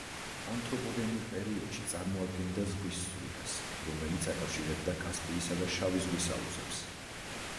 ანთროპოგენურ პერიოდში წარმოადგენდა ზღვის სრუტეს, რომელიც აკავშირებდა კასპიისა და შავი ზღვის აუზებს.